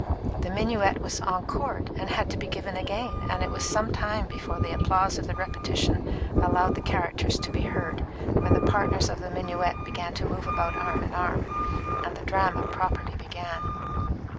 The minuet was encored, and had to be given again, and it was some time before the applause of the repetition allowed the characters to be heard when the partners of the minuet began to move about arm in arm, and the drama properly began.